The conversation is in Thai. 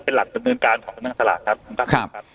เป็นหลักเศรือเงินการของสำนางตราคครับ